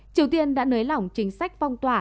triều tiên đã nới lỏng chính sách phong tỏa